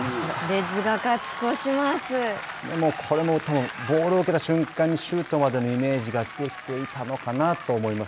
これも多分ボールを受けた瞬間にシュートまでのイメージができていたのかなと思います。